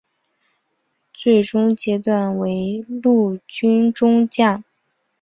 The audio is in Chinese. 最终阶级为陆军中将。